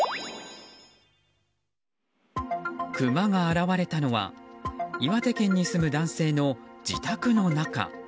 クマが現れたのは岩手県に住む男性の自宅の中。